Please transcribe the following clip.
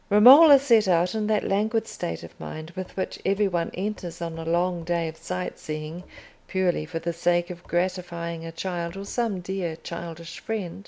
Romola set out in that languid state of mind with which every one enters on a long day of sight seeing purely for the sake of gratifying a child, or some dear childish friend.